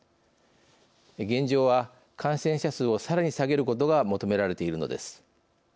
現状は感染者数をさらに下げることが求められているのです。